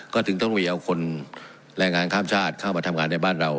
ก็ถึงต้องมีเอาคนแรงงานข้ามชาติเข้ามาทำงานในบ้านเรา